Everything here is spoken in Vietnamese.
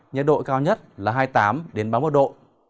nhiệt độ cao nhất là hai mươi tám ba mươi một độ